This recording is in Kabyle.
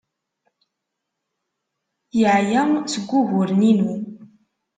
Yeɛya seg wuguren-inu.